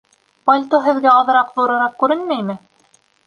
Пальто һеҙгә аҙыраҡ ҙурыраҡ күренмәйме?